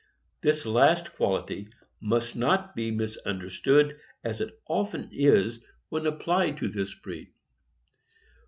The last quality must not be misunder stood, as it often is when applied to this breed.